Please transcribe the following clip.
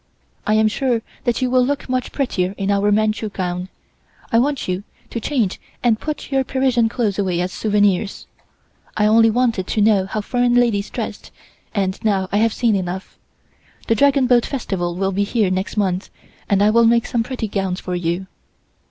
I am sure that you will look much prettier in our Manchu gown. I want you to change and put your Parisian clothes away as souvenirs. I only wanted to know how foreign ladies dressed and now I have seen enough. The Dragon Boat Festival will be here next month and I will make some pretty gowns for you."